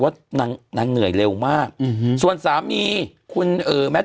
คือคือคือคือคือ